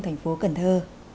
thành phố cần thơ